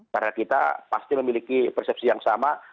karena kita pasti memiliki persepsi yang sama